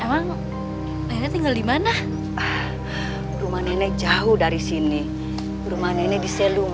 emang akhirnya tinggal dimana rumah nenek jauh dari sini rumah nenek di selu